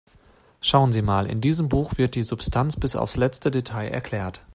Schauen Sie mal, in diesem Buch wird die Substanz bis aufs letzte Detail erklärt.